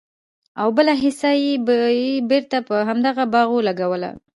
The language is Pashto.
او بله حيصه به ئي بيرته په همدغه باغ لګوله!!